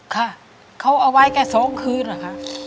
ค่ะเขาเอาไว้แค่สองคืนอะค่ะ